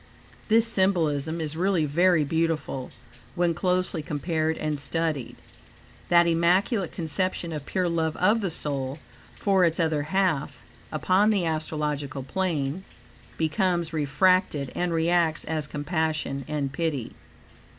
This symbolism is really very beautiful when closely compared and studied. That immaculate conception of pure love of the soul for its other half, upon the astrological plane, becomes refracted and reacts as compassion and pity.